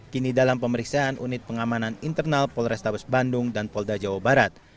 kini dalam pemeriksaan unit pengamanan internal polrestabes bandung dan polda jawa barat